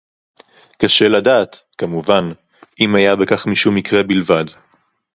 קָשֶׁה לָדַעַת, כַּמּוּבָן, אִם הָיָה בְּכָךְ מִשּׁוּם מִקְרֶה בִּלְבַד.